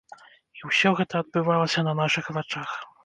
І ўсё гэта адбывалася на нашых вачах.